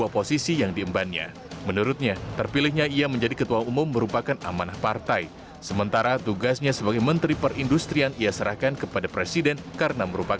penuhnya hak prerogatif beliau